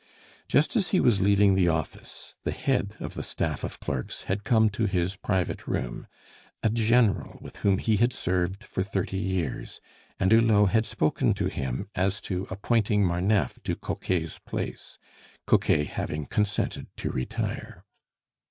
Just as he was leaving the office, the head of the staff of clerks had come to his private room a General with whom he had served for thirty years and Hulot had spoken to him as to appointing Marneffe to Coquet's place, Coquet having consented to retire.